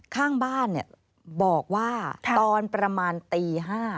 ข้างบ้านบอกว่าตอนประมาณตี๕